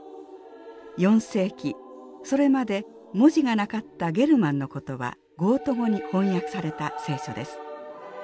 ４世紀それまで文字がなかったゲルマンの言葉ゴート語に翻訳された聖書です。